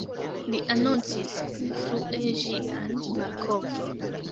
Li anoncis pli frue ĝian malkovron.